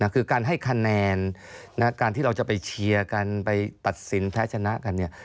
คือการให้คะแนนการที่เราจะไปเชียร์กันไปตัดสินแพ้ชนะกันเนี่ย